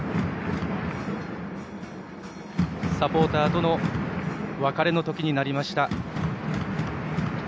サポーターとの別れのときになりました。